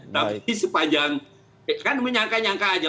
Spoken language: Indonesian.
tapi sepanjang kan menyangka nyangka aja